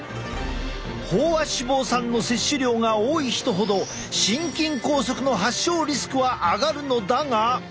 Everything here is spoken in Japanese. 飽和脂肪酸の摂取量が多い人ほど心筋梗塞の発症リスクは上がるのだが。